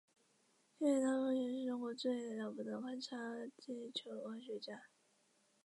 谢学锦是目前中国最了不得的勘察地球化学家。